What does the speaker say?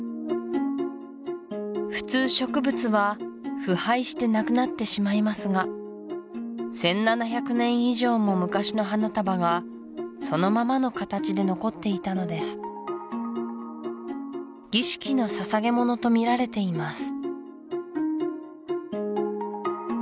普通植物は腐敗してなくなってしまいますが１７００年以上も昔の花束がそのままの形で残っていたのです儀式の捧げ物とみられています